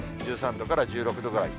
１３度から１６度ぐらい。